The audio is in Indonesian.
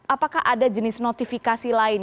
apakah ada jenis notifikasi lain